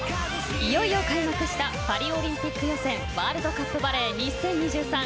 いよいよ開幕したパリオリンピック予選ワールドカップバレー２０２３。